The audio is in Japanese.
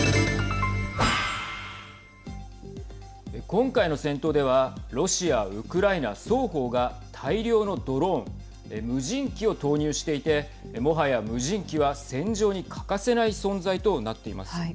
今回の戦闘ではロシア、ウクライナ双方が大量のドローン無人機を投入していてもはや無人機は戦場に欠かせない存在となっています。